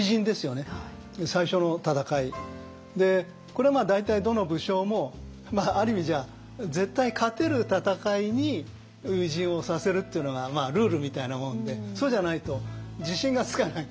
これ大体どの武将もある意味じゃ絶対勝てる戦いに初陣をさせるっていうのがルールみたいなもんでそうじゃないと自信がつかない。